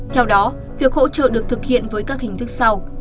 theo đó việc hỗ trợ được thực hiện với các hình thức sau